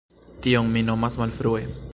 Tion mi nomas malfrue.